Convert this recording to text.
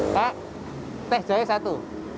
pak teh jahe satu